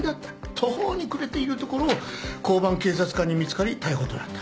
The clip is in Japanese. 途方に暮れているところを交番警察官に見つかり逮捕となった。